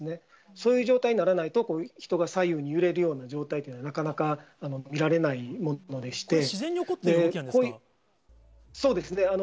そういう状態にならないと、こういう人が左右に揺れるような状態というのは、なかなか見られこれ、そうですね。